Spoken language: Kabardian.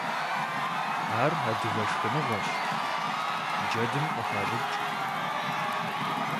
Ар адыгэ шхыныгъуэщ, джэдым къыхащӏыкӏ.